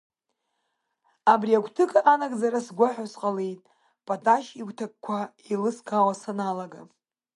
Абри агәҭакы анагӡара сгәаҳәо сҟалеит Паташь игәҭакқәа еилыскаауа саналага.